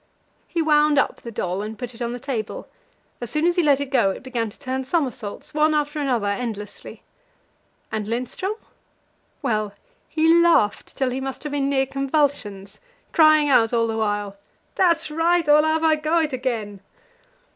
He wound up the doll and put it on the table; as soon as he let it go, it began to turn somersaults, one after another, endlessly. And Lindström? Well, he laughed till he must have been near convulsions, crying out all the while: "That's right, Olava; go it again!"